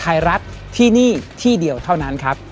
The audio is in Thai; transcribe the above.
ไทยรัฐที่นี่ที่เดียวเท่านั้นครับ